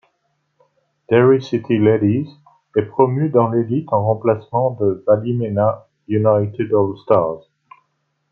Derry City Ladies est promu dans l'élite en remplacement de Ballymena United Allstars.